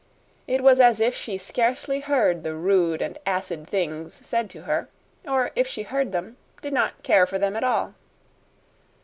It was as if she scarcely heard the rude and acid things said to her; or, if she heard them, did not care for them at all.